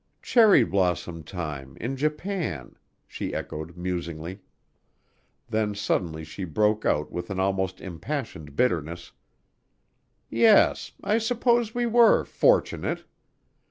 "Cherry blossom time in Japan " she echoed musingly. Then suddenly she broke out with an almost impassioned bitterness, "Yes, I suppose we were fortunate!